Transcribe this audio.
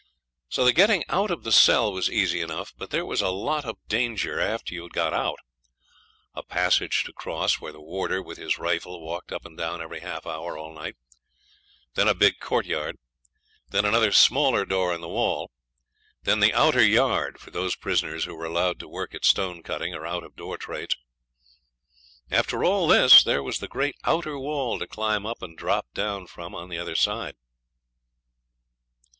The getting out of the cell was easy enough, but there was a lot of danger after you had got out. A passage to cross, where the warder, with his rifle, walked up and down every half hour all night; then a big courtyard; then another smaller door in the wall; then the outer yard for those prisoners who are allowed to work at stone cutting or out of door trades. After all this there was the great outer wall to climb up and drop down from on the other side.